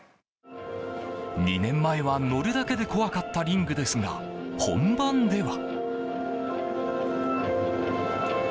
２年前は乗るだけで怖かったリングですが、本番では。